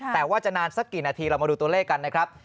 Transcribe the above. แต่ว่าจะนานสักกี่นาทีเรามาดูตัวเลขกันนะครับ